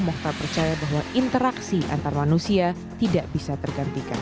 mbah percaya bahwa interaksi antar manusia tidak bisa tergantikan